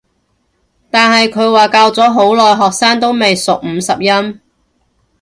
但係佢話教咗好耐學生都未熟五十音